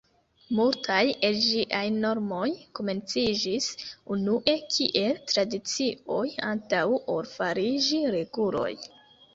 Multaj el ĝiaj normoj komenciĝis unue kiel tradicioj antaŭ ol fariĝi reguloj.